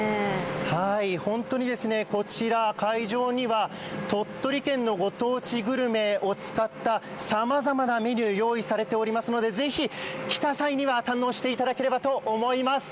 本当にこちら、会場には鳥取県のご当地グルメを使ったさまざまなメニュー、用意されていますのでぜひ来た際には堪能していただければと思います。